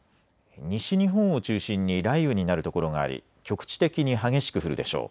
西日本を中心に雷雨になる所があり、局地的に激しく降るでしょう。